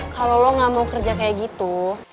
kalau kamu tidak mau kerja seperti itu